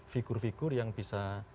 figur figur yang bisa